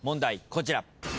こちら。